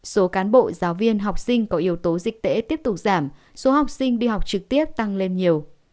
số cán bộ giáo viên học sinh có yếu tố dịch tễ tiếp tục giảm số học sinh đi học trực tiếp tăng lên nhiều